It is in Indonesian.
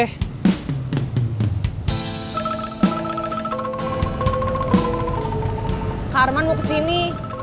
harman mau kesini